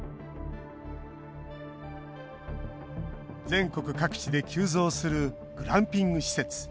全国各地で急増するグランピング施設。